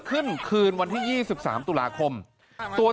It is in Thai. เข้ามาตี